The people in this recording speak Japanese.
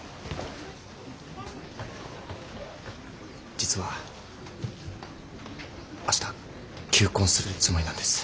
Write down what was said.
実は明日求婚するつもりなんです。